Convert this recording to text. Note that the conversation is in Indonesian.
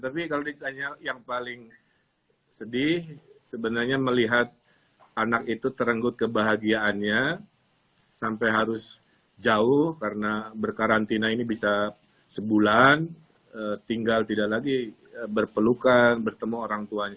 tapi kalau ditanya yang paling sedih sebenarnya melihat anak itu terenggut kebahagiaannya sampai harus jauh karena berkarantina ini bisa sebulan tinggal tidak lagi berpelukan bertemu orang tuanya